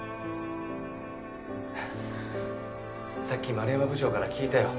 さっき丸山部長から聞いたよ。